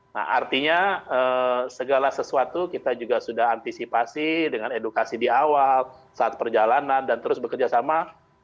nah artinya segala sesuatu kita juga sudah antisipasi dengan edukasi di awal saat perjalanan dan terus bekerja sama